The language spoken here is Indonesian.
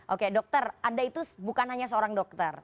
oke dokter anda itu bukan hanya seorang dokter